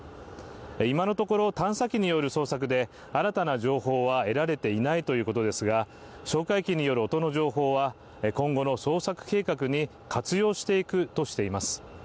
今のところ探査機による捜索で新たな情報は得られていないということですが哨戒機による音の情報は今後の捜索計画に活用していくとしています。